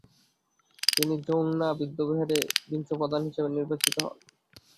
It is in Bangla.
তিনি জো-নাং বৌদ্ধবিহারের বিংশ প্রধান হিসেবে নির্বাচিত হন।